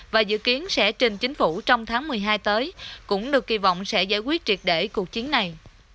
và dự kiến sẽ trình chính phủ trong tháng một mươi hai tới cũng được kỳ vọng sẽ giải quyết triệt để cuộc chiến này